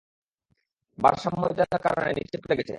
ভারসাম্যহীনতার কারণে নিচে পড়ে গেছে।